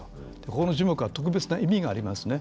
この樹木は特別な価値がありますね。